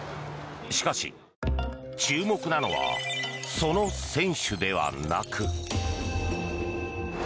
しかし、注目なのはその選手ではなく。